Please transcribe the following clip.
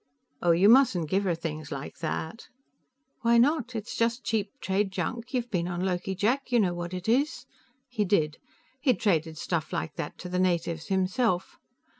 "Oh, you mustn't give her things like that." "Why not. It's just cheap trade junk. You've been on Loki, Jack, you know what it is." He did; he'd traded stuff like that to the natives himself.